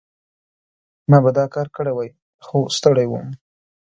ما به دا کار کړی وای، خو ستړی وم.